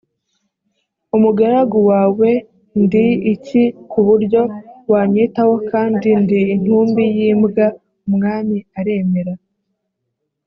umugaragu wawe ndi iki ku buryo wanyitaho kandi ndi intumbi y imbwa umwami aremera